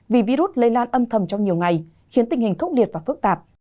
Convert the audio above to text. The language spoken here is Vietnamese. vì virus lây lan âm thầm trong nhiều ngày khiến tình hình khốc liệt và phức tạp